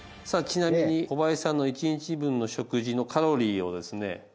ちなみに小林さんの１日分の食事のカロリーをですね